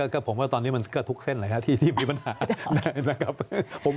ก็ผมณ์ว่าตอนนี้มันก็ทุกเส้นเลยครับที่มีปัญหา